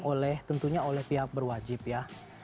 oleh tentunya oleh pihak berwajib ya